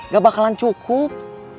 gak bakalan cukup